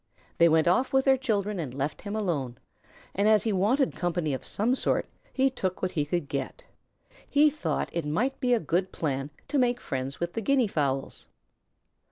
They went off with their children and left him alone, and, as he wanted company of some sort, he took what he could get. He thought it might be a good plan to make friends with the Guinea fowls.